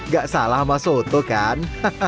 gak salah sama soto kan